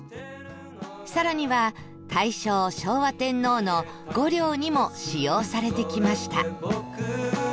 更には大正昭和天皇の御陵にも使用されてきました